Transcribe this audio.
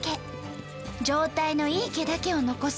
状態のいい毛だけを残す